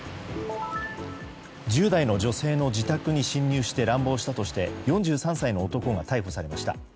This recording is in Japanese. １０代の女性の自宅に侵入して乱暴したとして４３歳の男が逮捕されました。